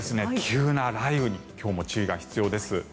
急な雷雨に今日も注意が必要です。